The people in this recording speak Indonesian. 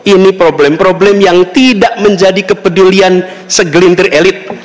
ini problem problem yang tidak menjadi kepedulian segelintir elit